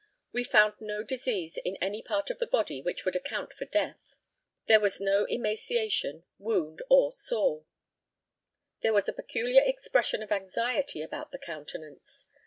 We found no disease in any part of the body which would account for death. There was no emaciation, wound, or sore. There was a peculiar expression of anxiety about the countenance.